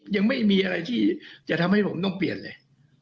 ยังไม่มีอะไรที่จะทำให้ผมต้องเปลี่ยนเลย